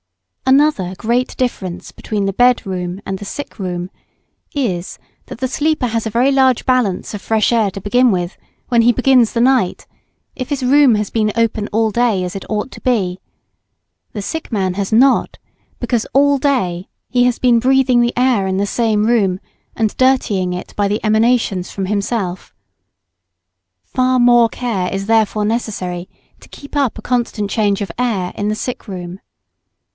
Another great difference between the bed room and the sick room is, that the sleeper has a very large balance of fresh air to begin with, when he begins the night, if his room has been open all day as it ought to be; the sick man has not, because all day he has been breathing the air in the same room, and dirtying it by the emanations from himself. Far more care is therefore necessary to keep up a constant change of air in the sick room.